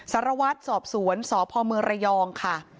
สารวาสสอบสวนสพมระยองค่ะ